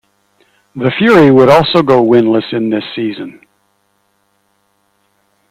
The Fury would also go winless in this season.